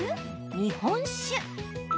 日本酒。